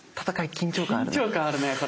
緊張感あるねこれ。